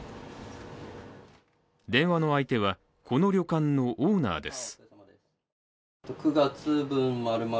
電話の相手は、この旅館のオーナーです。